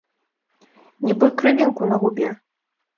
Нібы крывінку на губе.